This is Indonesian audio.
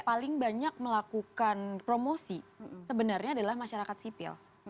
paling banyak melakukan promosi sebenarnya adalah masyarakat sipil